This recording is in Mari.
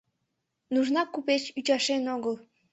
Нужна купеч ӱчашен огыл: